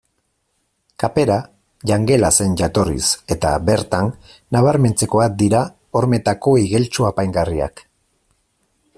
Kapera jangela zen jatorriz, eta, bertan, nabarmentzekoak dira hormetako igeltsu-apaingarriak.